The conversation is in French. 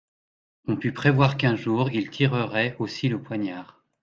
On put prévoir qu'un jour ils tireraient aussi le poignard.